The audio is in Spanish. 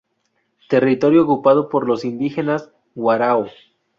Territorio ocupado por los indígenas warao.